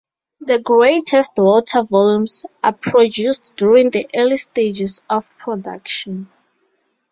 The greatest water volumes are produced during the early stages of production.